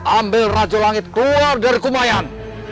ambil racu langit keluar dari kumayan